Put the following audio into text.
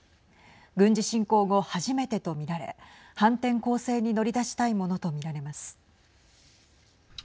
軍事侵攻後、初めてとみられ反転攻勢に乗り出したいものとみられます。